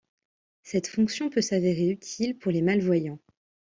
Cette fonction peut s'avérer utile pour les malvoyants.